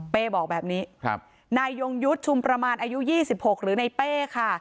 อ๋อเป๊ะบอกแบบนี้ครับนายยงยุชชุมประมาณอายุยี่สิบหกหรือในเป๊ะค่ะ